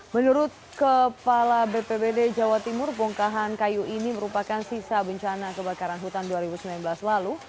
menurut kepala bpbd jawa timur bongkahan kayu ini merupakan sisa bencana kebakaran hutan dua ribu sembilan belas lalu